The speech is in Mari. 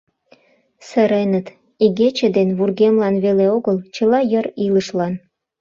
Сыреныт — игече ден вургемлан веле огыл, чыла йыр илышлан.